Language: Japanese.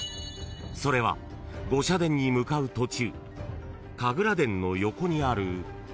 ［それは御社殿に向かう途中神楽殿の横にある］